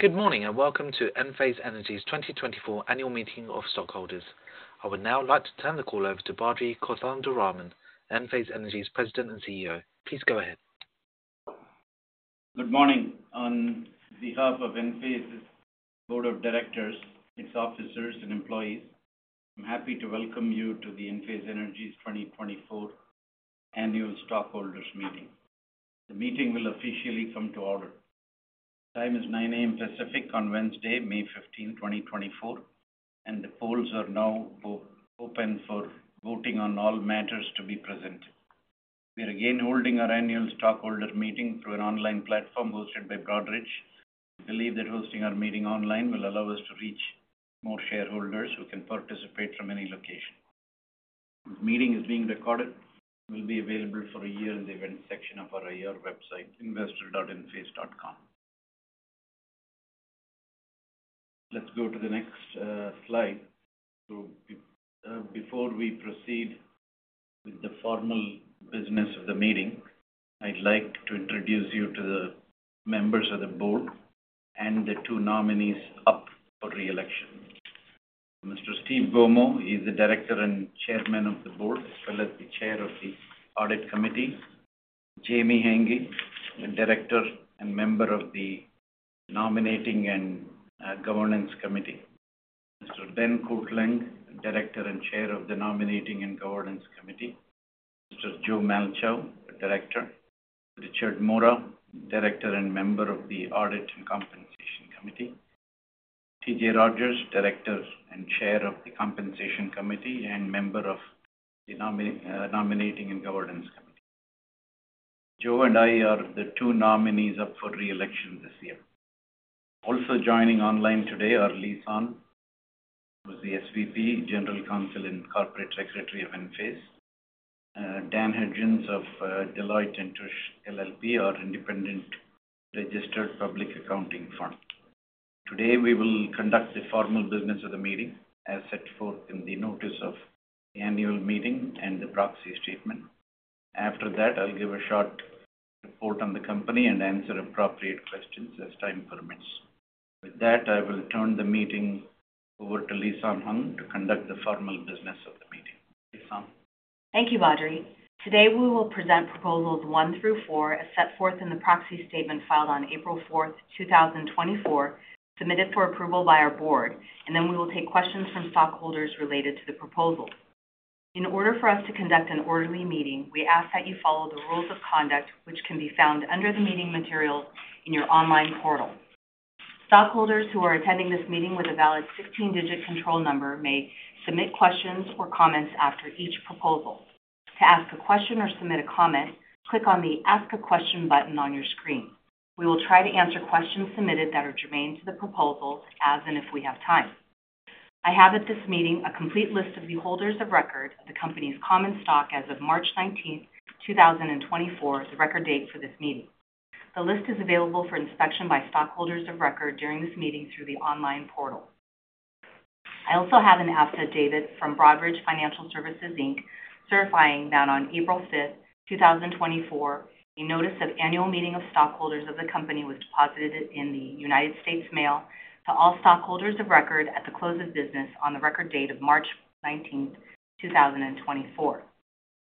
Good morning, and welcome to Enphase Energy's 2024 Annual Meeting of Stockholders. I would now like to turn the call over to Badri Kothandaraman, Enphase Energy's President and CEO. Please go ahead. Good morning. On behalf of Enphase's board of directors, its officers and employees, I'm happy to welcome you to the Enphase Energy's 2024 annual stockholders meeting. The meeting will officially come to order. Time is 9:00 A.M. Pacific on Wednesday, May 15, 2024, and the polls are now open for voting on all matters to be presented. We are again holding our annual stockholder meeting through an online platform hosted by Broadridge. We believe that hosting our meeting online will allow us to reach more shareholders who can participate from any location. This meeting is being recorded and will be available for a year in the events section of our IR website, investor.enphase.com. Let's go to the next slide. So, before we proceed with the formal business of the meeting, I'd like to introduce you to the members of the board and the two nominees up for re-election. Mr. Steven Gomo is the director and chairman of the board, as well as the chair of the Audit Committee. Jamie Haenggi, the director and member of the Nominating and Governance Committee. Mr. Ben Kortlang, director and chair of the Nominating and Governance Committee. Mr. Joe Malchow, director. Richard Mora, director and member of the Audit and Compensation Committee. T.J. Rodgers, director and chair of the Compensation Committee, and member of the Nominating and Governance Committee. Joe and I are the two nominees up for re-election this year. Also joining online today are Lisan Hung, who is the SVP, General Counsel, and Corporate Secretary of Enphase. Dan Hudgens of Deloitte & Touche LLP, our independent registered public accounting firm. Today, we will conduct the formal business of the meeting as set forth in the notice of the annual meeting and the proxy statement. After that, I'll give a short report on the company and answer appropriate questions as time permits. With that, I will turn the meeting over to Lisan Hung to conduct the formal business of the meeting. Lisa? Thank you, Badri. Today, we will present proposals 1 through 4, as set forth in the proxy statement filed on April 4, 2024, submitted for approval by our board, and then we will take questions from stockholders related to the proposal. In order for us to conduct an orderly meeting, we ask that you follow the rules of conduct, which can be found under the meeting materials in your online portal. Stockholders who are attending this meeting with a valid 16-digit control number may submit questions or comments after each proposal. To ask a question or submit a comment, click on the Ask a Question button on your screen. We will try to answer questions submitted that are germane to the proposal, as and if we have time. I have at this meeting a complete list of the holders of record of the company's common stock as of March 19, 2024, the record date for this meeting. The list is available for inspection by stockholders of record during this meeting through the online portal. I also have an affidavit from Broadridge Financial Solutions, Inc., certifying that on April 5, 2024, a notice of Annual Meeting of Stockholders of the company was deposited in the United States Mail to all stockholders of record at the close of business on the record date of March 19, 2024.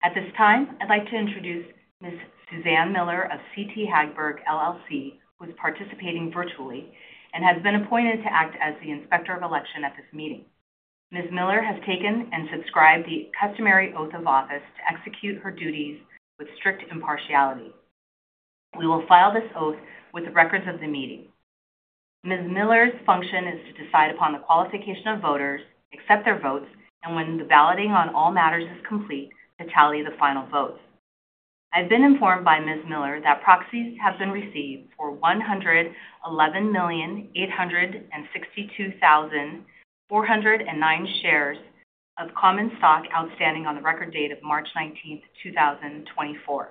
At this time, I'd like to introduce Ms. Suzanne Miller of CT Hagberg LLC, who is participating virtually and has been appointed to act as the Inspector of Election at this meeting. Ms. Miller has taken and subscribed the customary oath of office to execute her duties with strict impartiality. We will file this oath with the records of the meeting. Ms. Miller's function is to decide upon the qualification of voters, accept their votes, and when the balloting on all matters is complete, to tally the final votes. I've been informed by Ms. Miller that proxies have been received for 111,862,409 shares of common stock outstanding on the record date of March 19, 2024.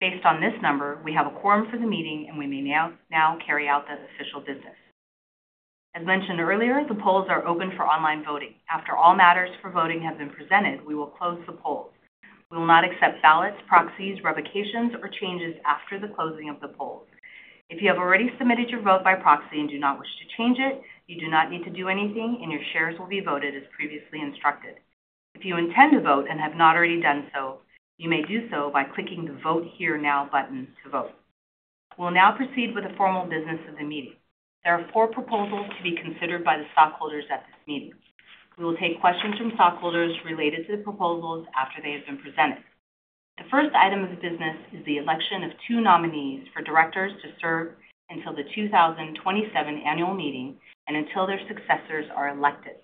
Based on this number, we have a quorum for the meeting, and we may now carry out the official business. As mentioned earlier, the polls are open for online voting. After all matters for voting have been presented, we will close the polls. We will not accept ballots, proxies, revocations, or changes after the closing of the polls. If you have already submitted your vote by proxy and do not wish to change it, you do not need to do anything, and your shares will be voted as previously instructed. If you intend to vote and have not already done so, you may do so by clicking the Vote Here Now button to vote. We'll now proceed with the formal business of the meeting. There are four proposals to be considered by the stockholders at this meeting. We will take questions from stockholders related to the proposals after they have been presented. The first item of business is the election of two nominees for directors to serve until the 2027 annual meeting and until their successors are elected.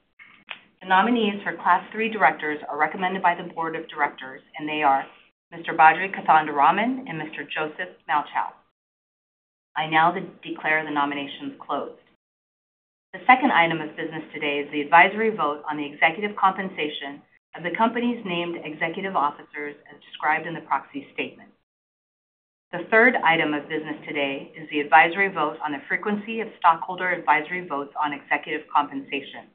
The nominees for Class Three directors are recommended by the Board of Directors, and they are Mr. Badri Kothandaraman and Mr. Joseph Malchow. I now declare the nominations closed. The second item of business today is the advisory vote on the executive compensation of the company's named executive officers, as described in the proxy statement. The third item of business today is the advisory vote on the frequency of stockholder advisory votes on executive compensation.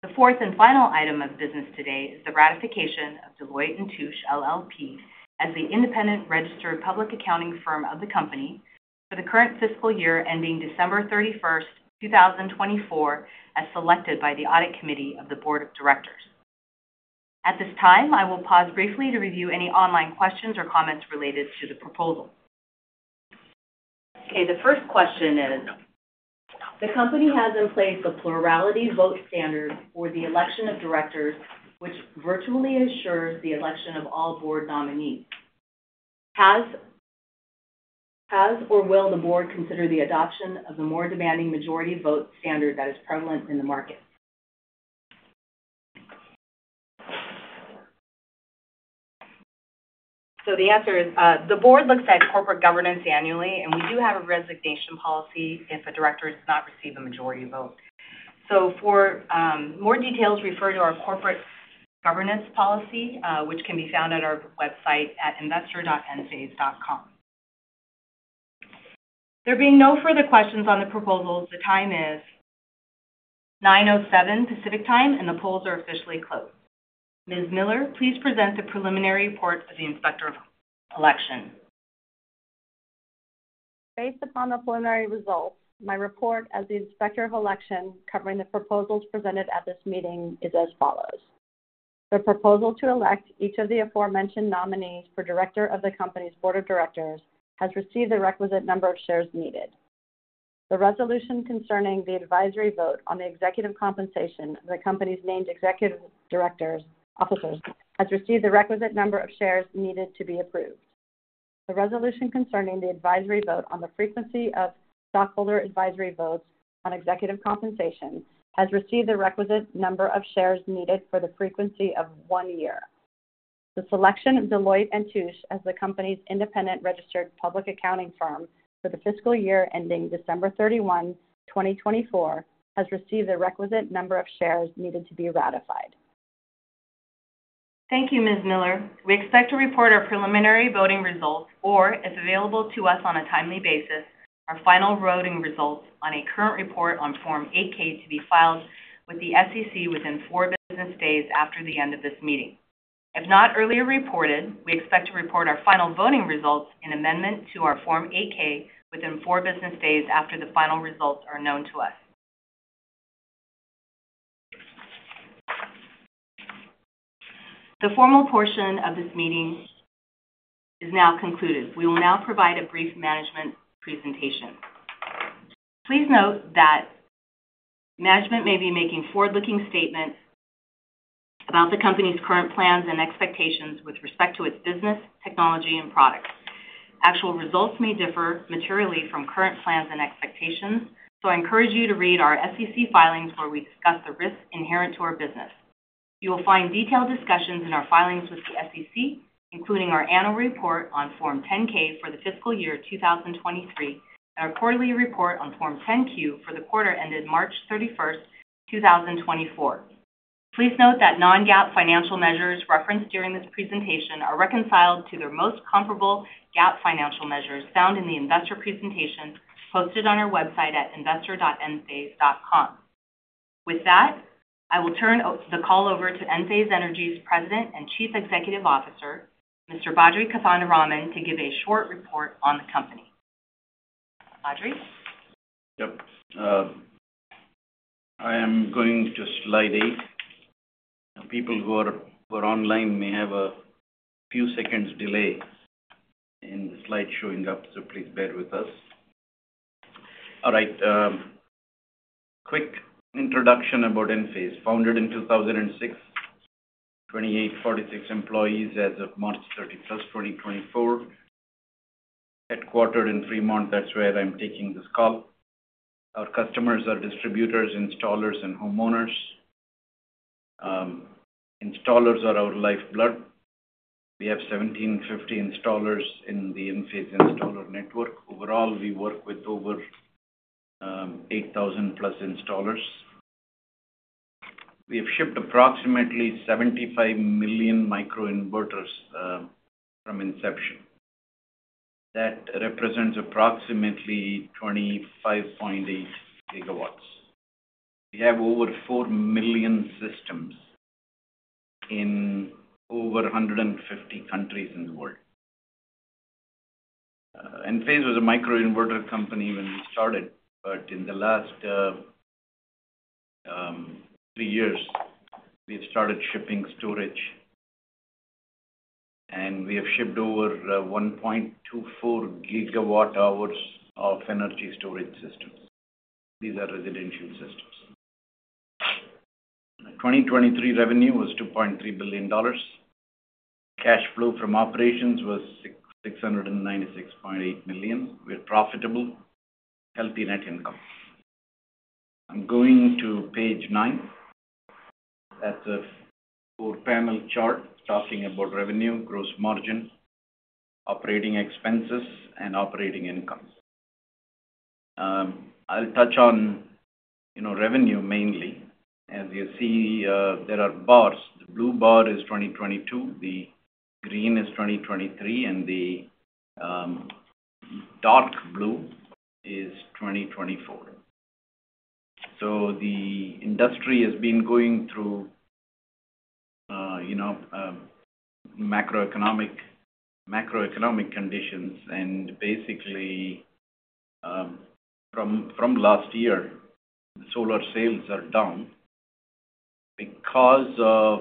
The fourth and final item of business today is the ratification of Deloitte & Touche LLP as the independent registered public accounting firm of the company for the current fiscal year, ending December 31, 2024, as selected by the Audit Committee of the Board of Directors. At this time, I will pause briefly to review any online questions or comments related to the proposal. Okay, the first question is: The company has in place a plurality vote standard for the election of directors, which virtually ensures the election of all board nominees. Has or will the board consider the adoption of the more demanding majority vote standard that is prevalent in the market? So the answer is, the board looks at corporate governance annually, and we do have a resignation policy if a director does not receive a majority vote. So for more details, refer to our corporate governance policy, which can be found at our website at investor.enphase.com. There being no further questions on the proposals, the time is 9:07 A.M. Pacific Time, and the polls are officially closed. Ms. Miller, please present the preliminary report of the Inspector of Election. Based upon the preliminary results, my report as the Inspector of Election, covering the proposals presented at this meeting, is as follows: The proposal to elect each of the aforementioned nominees for director of the company's board of directors has received the requisite number of shares needed. The resolution concerning the advisory vote on the executive compensation of the company's named executive officers has received the requisite number of shares needed to be approved. The resolution concerning the advisory vote on the frequency of stockholder advisory votes on executive compensation has received the requisite number of shares needed for the frequency of one year. The selection of Deloitte & Touche as the company's independent registered public accounting firm for the fiscal year ending December 31, 2024, has received the requisite number of shares needed to be ratified. Thank you, Ms. Miller. We expect to report our preliminary voting results or, if available to us on a timely basis, our final voting results on a current report on Form 8-K, to be filed with the SEC within four business days after the end of this meeting. If not earlier reported, we expect to report our final voting results in amendment to our Form 8-K within four business days after the final results are known to us. The formal portion of this meeting is now concluded. We will now provide a brief management presentation. Please note that management may be making forward-looking statements about the company's current plans and expectations with respect to its business, technology, and products. Actual results may differ materially from current plans and expectations, so I encourage you to read our SEC filings, where we discuss the risks inherent to our business. You will find detailed discussions in our filings with the SEC, including our annual report on Form 10-K for the fiscal year 2023, and our quarterly report on Form 10-Q for the quarter ended March 31, 2024. Please note that non-GAAP financial measures referenced during this presentation are reconciled to their most comparable GAAP financial measures found in the investor presentation posted on our website at investor.enphase.com. With that, I will turn the call over to Enphase Energy's President and Chief Executive Officer, Mr. Badri Kothandaraman, to give a short report on the company. Badri? Yep. I am going to slide 8. People who are, who are online may have a few seconds delay in the slide showing up, so please bear with us. All right, quick introduction about Enphase: Founded in 2006, 2,846 employees as of March 31, 2024. Headquartered in Fremont, that's where I'm taking this call. Our customers are distributors, installers, and homeowners. Installers are our lifeblood. We have 1,750 installers in the Enphase Installer Network. Overall, we work with over 8,000+ installers. We have shipped approximately 75 million microinverters from inception. That represents approximately 25.8 GW. We have over 4 million systems in over 150 countries in the world. Enphase was a microinverter company when we started, but in the last three years, we've started shipping storage, and we have shipped over 1.24 gigawatt hours of energy storage systems. These are residential systems. 2023 revenue was $2.3 billion. Cash flow from operations was $696.8 million. We're profitable, healthy net income. I'm going to page nine. That's a four-panel chart talking about revenue, gross margin, operating expenses, and operating income. I'll touch on, you know, revenue mainly. As you see, there are bars. The blue bar is 2022, the green is 2023, and the dark blue is 2024. So the industry has been going through, you know, macroeconomic conditions, and basically, from last year, solar sales are down because of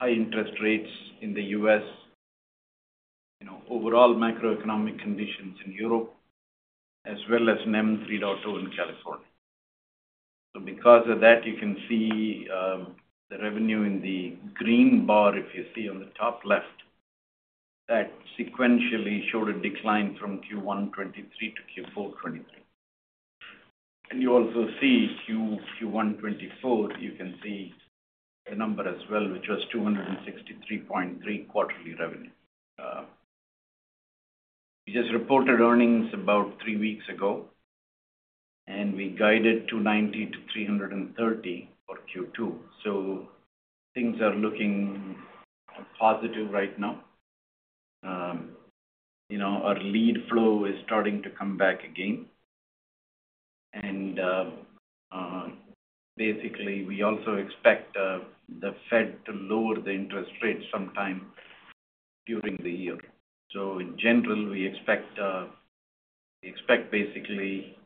high interest rates in the U.S., you know, overall macroeconomic conditions in Europe, as well as NEM 3.0 in California. So because of that, you can see the revenue in the green bar, if you see on the top left, that sequentially showed a decline from Q1 2023-Q4 2023. And you also see Q1 2024, you can see the number as well, which was $263.3 quarterly revenue. We just reported earnings about three weeks ago, and we guided $290-$330 for Q2. So things are looking positive right now. You know, our lead flow is starting to come back again. Basically, we also expect the Fed to lower the interest rates sometime during the year. So in general, we expect, we expect basically,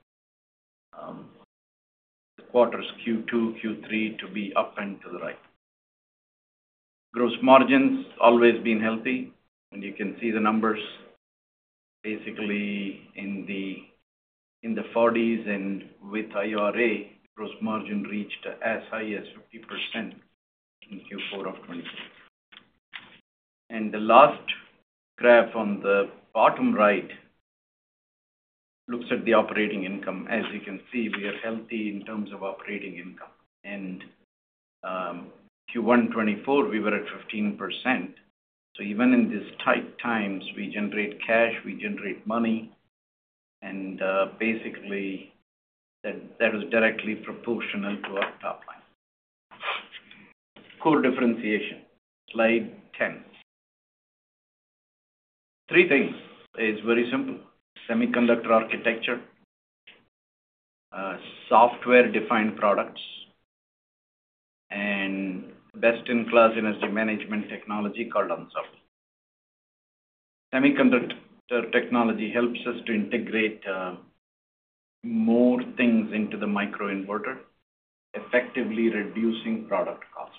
quarters Q2, Q3 to be up and to the right. Gross margins always been healthy, and you can see the numbers basically in the, in the 40s, and with IRA, gross margin reached as high as 50% in Q4 of 2023. The last graph on the bottom right looks at the operating income. As you can see, we are healthy in terms of operating income. Q1 2024, we were at 15%. So even in these tight times, we generate cash, we generate money, and basically, that, that is directly proportional to our top line. Core differentiation. Slide 10. Three things. It's very simple. Semiconductor architecture, software-defined products, and best-in-class energy management technology called Enphase. Semiconductor technology helps us to integrate more things into the microinverter, effectively reducing product costs.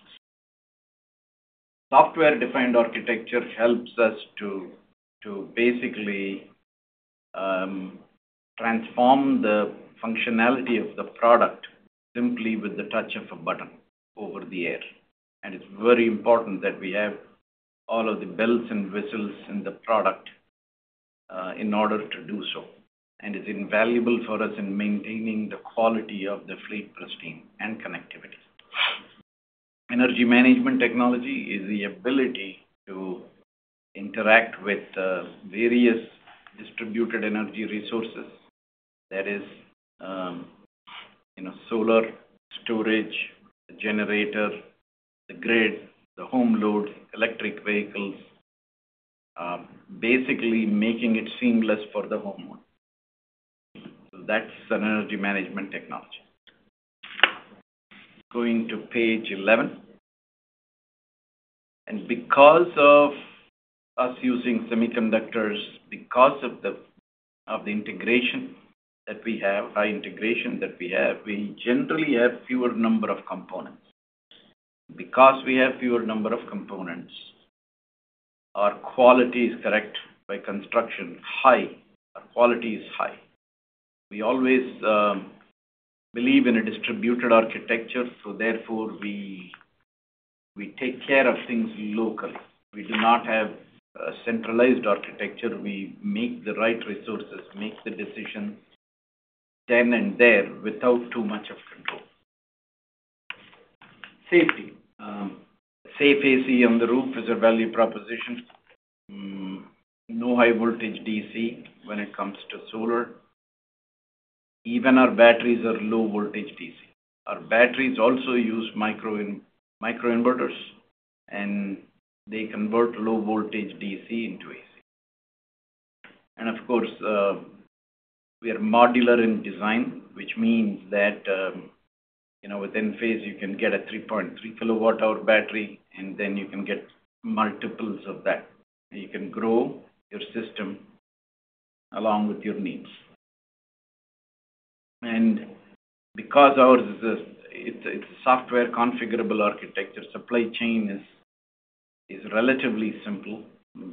Software-defined architecture helps us to basically transform the functionality of the product simply with the touch of a button over the air. It's very important that we have all of the bells and whistles in the product in order to do so. It's invaluable for us in maintaining the quality of the fleet pristine and connectivity. Energy management technology is the ability to interact with various distributed energy resources. That is, you know, solar, storage, the generator, the grid, the home load, electric vehicles, basically making it seamless for the homeowner. That's an energy management technology. Going to page 11. And because of us using semiconductors, because of the integration that we have, high integration that we have, we generally have fewer number of components. Because we have fewer number of components, our quality is correct by construction, high. Our quality is high. We always believe in a distributed architecture, so therefore, we take care of things locally. We do not have a centralized architecture. We make the right resources, make the decision then and there without too much of control. Safety. Safe AC on the roof is a value proposition. No high voltage DC when it comes to solar. Even our batteries are low voltage DC. Our batteries also use microinverters, and they convert low voltage DC into AC. Of course, we are modular in design, which means that, you know, within Enphase, you can get a 3.3 kWh battery, and then you can get multiples of that. You can grow your system along with your needs. And because ours is a, it's software configurable architecture, supply chain is relatively simple.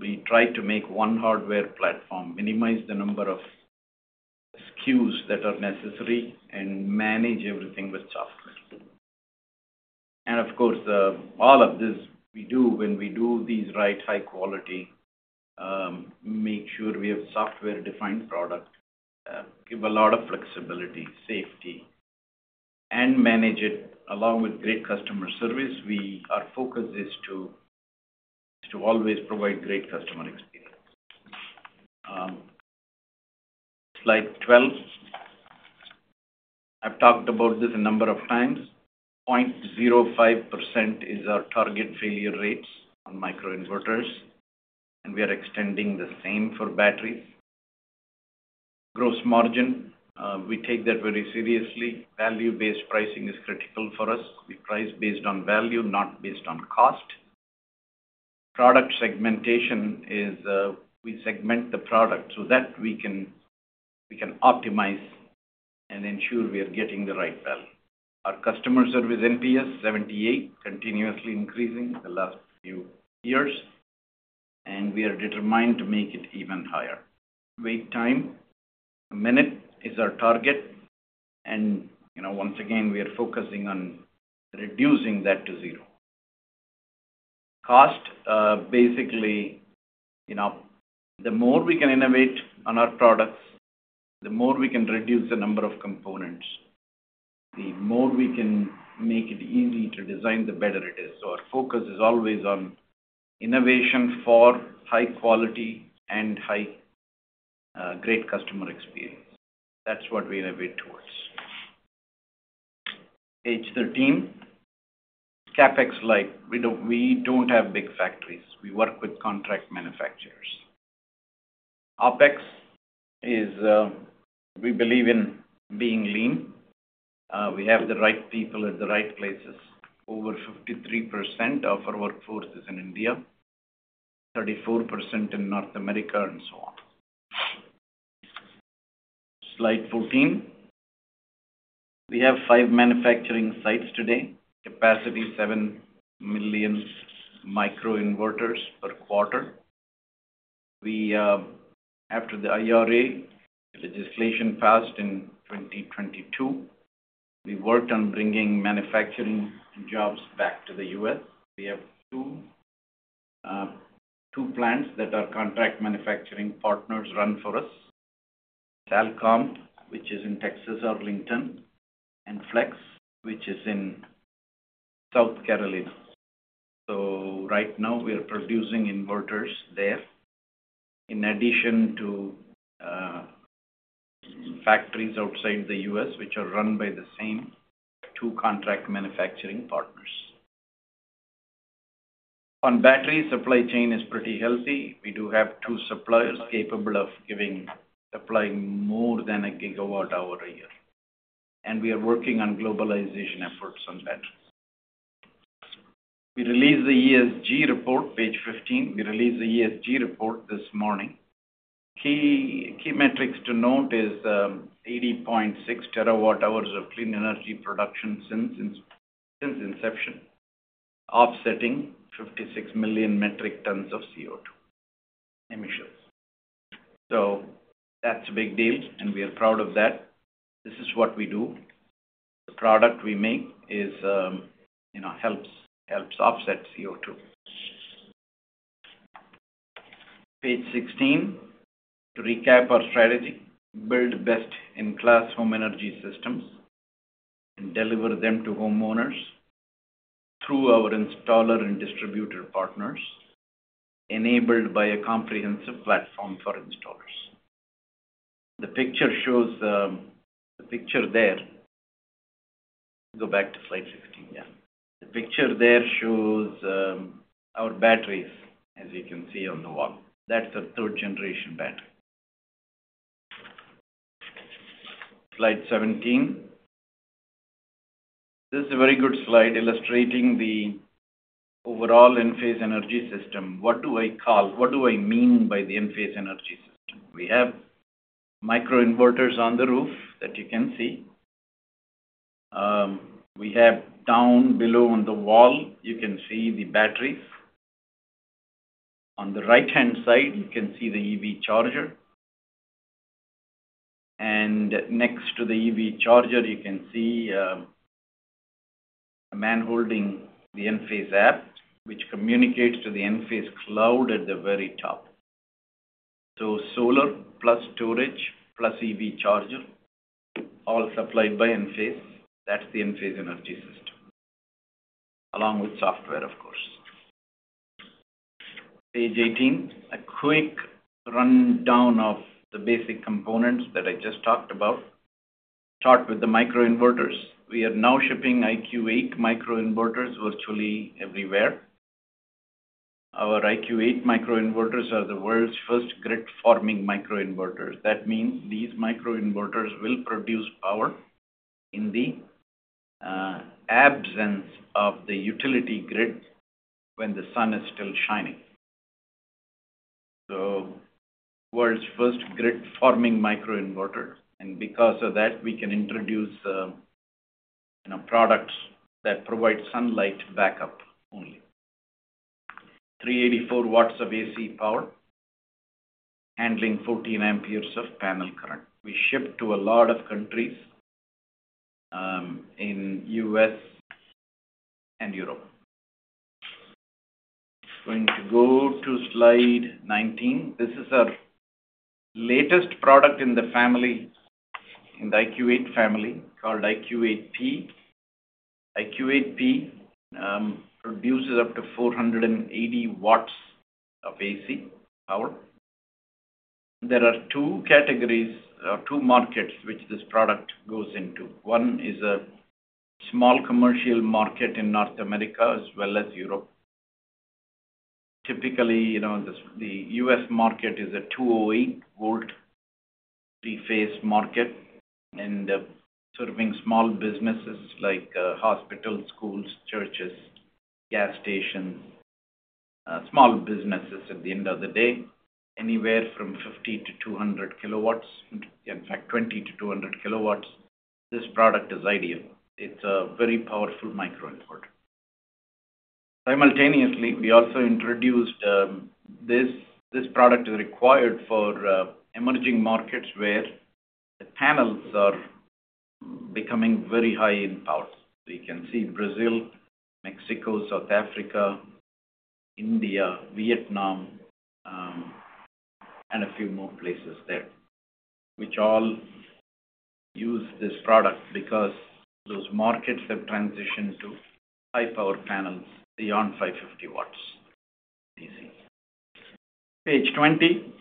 We try to make one hardware platform, minimize the number of SKUs that are necessary, and manage everything with software. And of course, all of this we do when we do these right, high quality, make sure we have software-defined product, give a lot of flexibility, safety, and manage it along with great customer service. We, our focus is to always provide great customer experience. Slide 12.... I've talked about this a number of times. 0.05% is our target failure rates on microinverters, and we are extending the same for batteries. Gross margin, we take that very seriously. Value-based pricing is critical for us. We price based on value, not based on cost. Product segmentation is, we segment the product so that we can, we can optimize and ensure we are getting the right value. Our customer service NPS 78, continuously increasing the last few years, and we are determined to make it even higher. Wait time, 1 minute is our target, and, you know, once again, we are focusing on reducing that to zero. Cost, basically, you know, the more we can innovate on our products, the more we can reduce the number of components. The more we can make it easy to design, the better it is. So our focus is always on innovation for high quality and high, great customer experience. That's what we innovate towards. Page 13. CapEx slide. We don't, we don't have big factories. We work with contract manufacturers. OpEx is, we believe in being lean. We have the right people at the right places. Over 53% of our workforce is in India, 34% in North America, and so on. Slide 14. We have five manufacturing sites today, capacity 7 million microinverters per quarter. We, after the IRA legislation passed in 2022, we worked on bringing manufacturing jobs back to the U.S. We have two, two plants that our contract manufacturing partners run for us. Salcomp, which is in Texas, Arlington, and Flex, which is in South Carolina. So right now we are producing inverters there, in addition to factories outside the U.S., which are run by the same two contract manufacturing partners. On battery, supply chain is pretty healthy. We do have two suppliers capable of supplying more than 1 GWh a year, and we are working on globalization efforts on batteries. We released the ESG report, page 15. We released the ESG report this morning. Key metrics to note is 80.6 TWh of clean energy production since inception, offsetting 56 million metric tons of CO2 emissions. So that's a big deal, and we are proud of that. This is what we do. The product we make is, you know, helps offset CO2. Page 16. To recap our strategy, build best-in-class home energy systems and deliver them to homeowners through our installer and distributor partners, enabled by a comprehensive platform for installers. The picture shows the picture there. Go back to slide 16, yeah. The picture there shows our batteries, as you can see on the wall. That's a third-generation battery. Slide 17. This is a very good slide illustrating the overall Enphase Energy System. What do I call? What do I mean by the Enphase Energy System? We have microinverters on the roof that you can see. We have down below on the wall, you can see the batteries. On the right-hand side, you can see the EV charger. And next to the EV charger, you can see a man holding the Enphase App, which communicates to the Enphase Cloud at the very top. Solar, plus storage, plus EV charger, all supplied by Enphase. That's the Enphase Energy System, along with software, of course. Page 18, a quick rundown of the basic components that I just talked about. Start with the microinverters. We are now shipping IQ Eight microinverters virtually everywhere. Our IQ Eight microinverters are the world's first grid-forming microinverters. That means these microinverters will produce power in the absence of the utility grid when the sun is still shining. So world's first grid-forming microinverter, and because of that, we can introduce, you know, products that provide sunlight backup only. 384 watts of AC power, handling 14 amperes of panel current. We ship to a lot of countries in U.S. and Europe. Going to go to slide 19. This is our latest product in the family, in the IQ Eight family, called IQ Eight P. IQ Eight P produces up to 480 watts of AC power. There are two categories or two markets which this product goes into. One is a small commercial market in North America as well as Europe. Typically, you know, the U.S. market is a 208-volt three-phase market and serving small businesses like hospitals, schools, churches, gas stations, small businesses at the end of the day, anywhere from 50-200 kilowatts. In fact, 20-200 kilowatts, this product is ideal. It's a very powerful microinverter. Simultaneously, we also introduced this product is required for emerging markets where the panels are becoming very high in power. So you can see Brazil, Mexico, South Africa, India, Vietnam, and a few more places there, which all use this product because those markets have transitioned to high power panels beyond 550 watts DC. Page 20.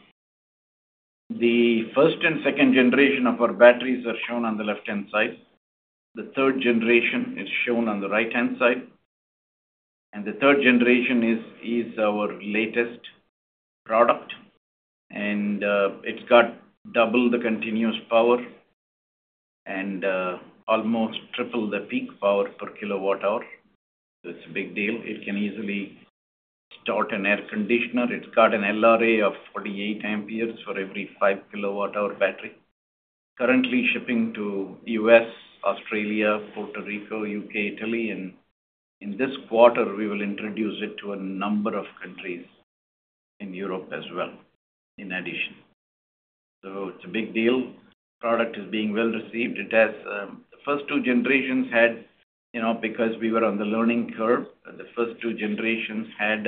The first and second generation of our batteries are shown on the left-hand side. The third generation is shown on the right-hand side. The third generation is, is our latest product, and it's got double the continuous power and almost triple the peak power per kilowatt-hour. It's a big deal. It can easily start an air conditioner. It's got an LRA of 48 amperes for every 5 kilowatt-hour battery. Currently shipping to U.S., Australia, Puerto Rico, U.K., Italy, and in this quarter, we will introduce it to a number of countries in Europe as well, in addition. So it's a big deal. Product is being well received. It has. The first two generations had, you know, because we were on the learning curve, the first two generations had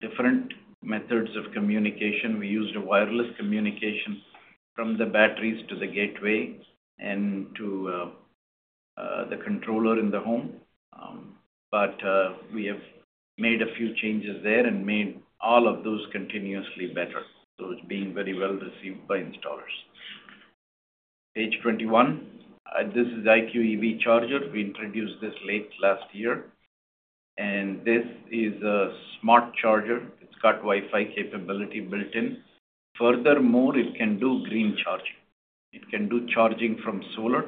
different methods of communication. We used a wireless communication from the batteries to the gateway and to the controller in the home. But we have made a few changes there and made all of those continuously better, so it's being very well received by installers. Page 21. This is the IQ EV Charger. We introduced this late last year, and this is a smart charger. It's got Wi-Fi capability built in. Furthermore, it can do green charging. It can do charging from solar,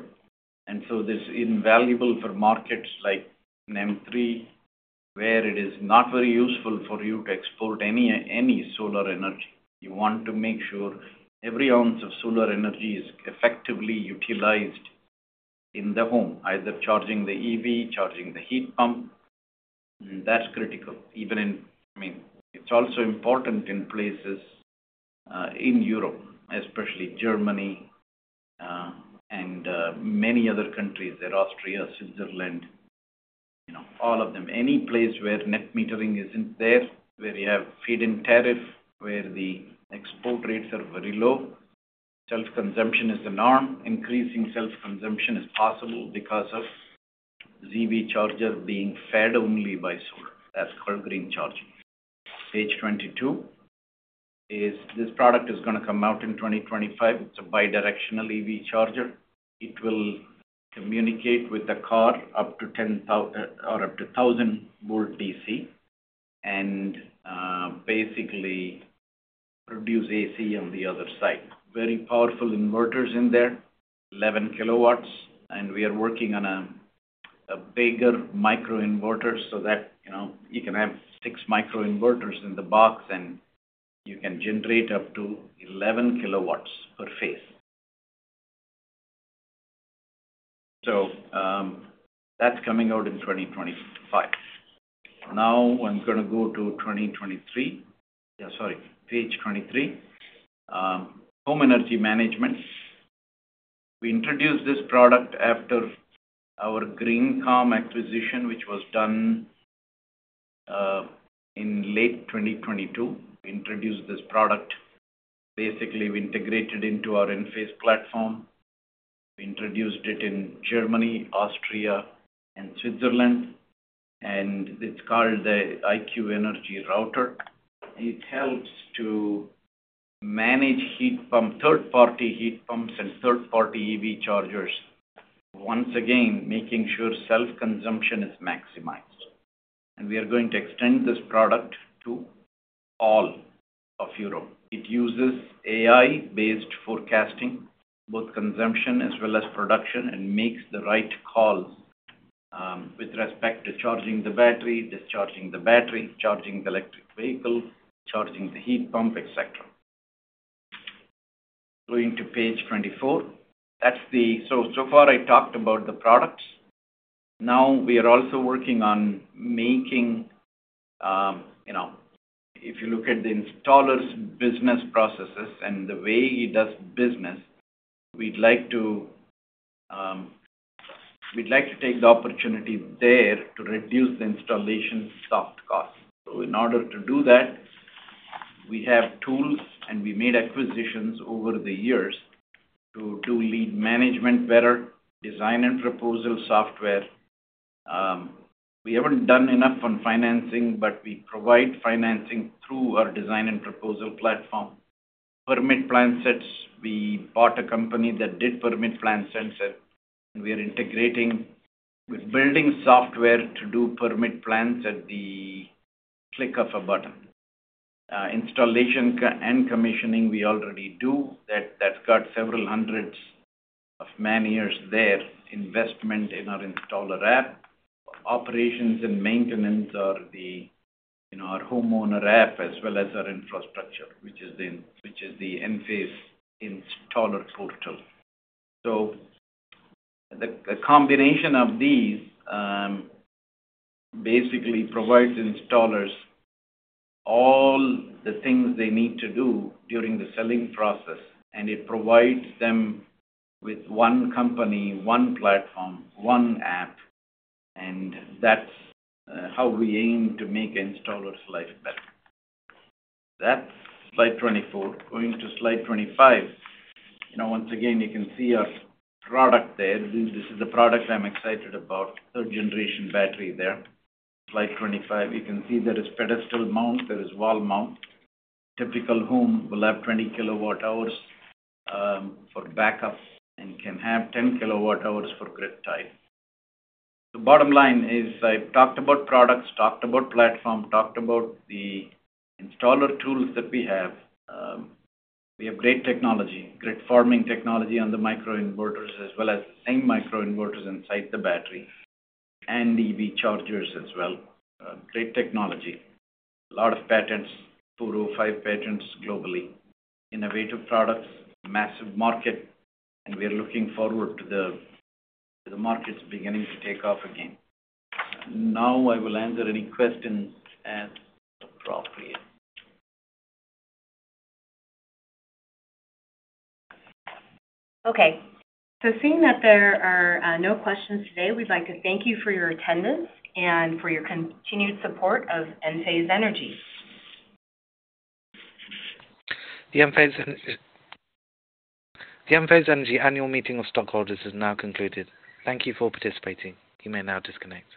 and so this is invaluable for markets like NEM 3.0, where it is not very useful for you to export any solar energy. You want to make sure every ounce of solar energy is effectively utilized in the home, either charging the EV, charging the heat pump, and that's critical, even in, I mean, it's also important in places in Europe, especially Germany, and many other countries, there are Austria, Switzerland, you know, all of them. Any place where net metering isn't there, where you have feed-in tariff, where the export rates are very low, self-consumption is the norm. Increasing self-consumption is possible because of EV charger being fed only by solar. That's called green charging. Page 22, is this product is gonna come out in 2025. It's a bidirectional EV charger. It will communicate with the car up to 1000-volt DC and basically produce AC on the other side. Very powerful inverters in there, 11 kW, and we are working on a bigger microinverter so that, you know, you can have six microinverters in the box, and you can generate up to 11 kW per phase. So, that's coming out in 2025. Now, I'm gonna go to 2023. Sorry, page 23. Home energy management. We introduced this product after our Greencom acquisition, which was done in late 2022. We introduced this product. Basically, we integrated into our Enphase platform. We introduced it in Germany, Austria, and Switzerland, and it's called the IQ Energy Router. It helps to manage heat pump, third-party heat pumps and third-party EV chargers, once again, making sure self-consumption is maximized. And we are going to extend this product to all of Europe. It uses AI-based forecasting, both consumption as well as production, and makes the right call with respect to charging the battery, discharging the battery, charging the electric vehicle, charging the heat pump, et cetera. Going to page 24. That's the... So, so far I talked about the products. Now we are also working on making, you know, if you look at the installer's business processes and the way he does business, we'd like to, we'd like to take the opportunity there to reduce the installation soft costs. So in order to do that, we have tools, and we made acquisitions over the years to lead management better, design and proposal software. We haven't done enough on financing, but we provide financing through our design and proposal platform. Permit plan sets, we bought a company that did permit plan sets, and we are integrating with building software to do permit plans at the click of a button. Installation and commissioning, we already do. That, that's got several hundreds of man-years there, investment in our installer app. Operations and maintenance are the, in our homeowner app as well as our infrastructure, which is in, which is the Enphase installer portal. So the, the combination of these, basically provides installers all the things they need to do during the selling process, and it provides them with one company, one platform, one app, and that's, how we aim to make installers' life better. That's slide 24. Going to slide 25. Now, once again, you can see our product there. This, this is the product I'm excited about, third generation battery there. Slide 25, you can see there is pedestal mount, there is wall mount. Typical home will have 20 kWh for backup and can have 10 kWh for grid tie. The bottom line is, I've talked about products, talked about platform, talked about the installer tools that we have. We have great technology, great grid-forming technology on the microinverters, as well as same microinverters inside the battery and EV chargers as well. Great technology. A lot of patents, 205 patents globally, innovative products, massive market, and we are looking forward to the, to the markets beginning to take off again. Now, I will answer any questions asked appropriately. Okay, so seeing that there are no questions today, we'd like to thank you for your attendance and for your continued support of Enphase Energy. The Enphase Energy annual meeting of stockholders has now concluded. Thank you for participating. You may now disconnect.